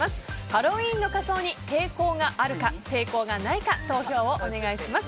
ハロウィーンの仮装に抵抗があるか抵抗がないか投票をお願いします。